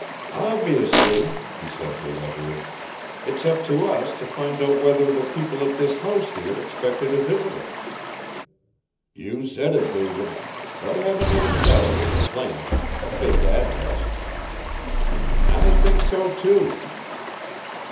"Obviously," he said to Leverage, "it's up to us to find out whether the people at this house here expected a visitor." "You said it, David; but I haven't any doubt it was a plant, a fake address." "I think so, too."